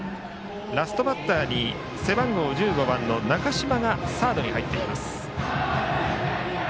ラストバッターに背番号１５番の中島がサードに入っています。